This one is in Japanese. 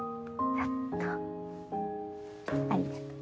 やったありがとう。